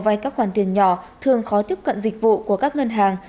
vay các khoản tiền nhỏ thường khó tiếp cận dịch vụ của các ngân hàng